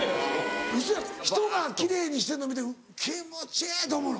ウソやん人が奇麗にしてるの見て気持ちいいと思うの？